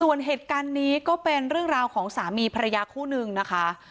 ส่วนเหตุการณ์นี้ก็เป็นเรื่องราวของสามีภรรยาคู่นึงนะคะ